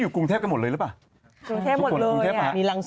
กรุงเทพกันหมดเลยหรือเปล่า